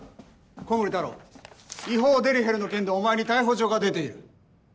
古森太郎違法デリヘルの件でお前に逮捕状が出ている。